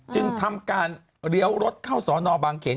จึงทำการเลี้ยวรถเข้าสอนอบางเขน